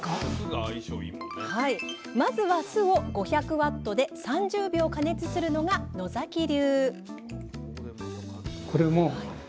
まずは酢を５００Ｗで３０秒加熱するのが野流！